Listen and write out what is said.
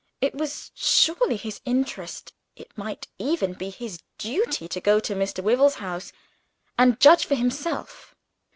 It was surely his interest it might even be his duty to go to Mr. Wyvil's house, and judge for himself.